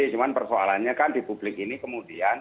cuma persoalannya kan di publik ini kemudian